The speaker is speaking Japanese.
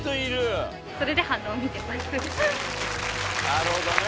なるほどね。